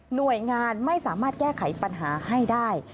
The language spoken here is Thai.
หน่วยงานไม่สามารถแก้ไขปัญหาให้ได้